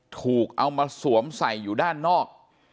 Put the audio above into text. ถูกเอามาสวมใส่อยู่ด้านนอก